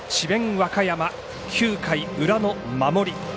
和歌山９回裏の守り。